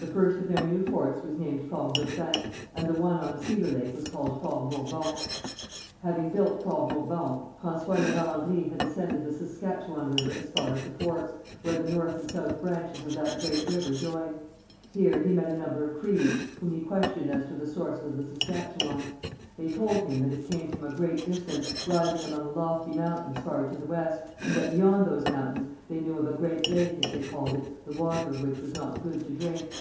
The first of their new forts was named Fort Dauphin, and the one on Cedar Lake was called Fort Bourbon. Having built Fort Bourbon, François La Vérendrye had ascended the Saskatchewan river as far as the Forks, where the north and south branches of that great river join. Here he met a number of Crees, whom he questioned as to the source of the Saskatchewan. They told him that it came from a great distance, rising among lofty mountains far to the west, and that beyond those mountains they knew of a great lake, as they called it, the water of which was not good to drink.